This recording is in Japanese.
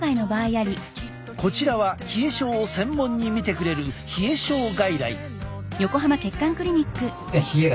こちらは冷え症を専門に診てくれる冷え症外来。